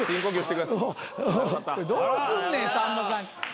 どうすんねんさんまさん。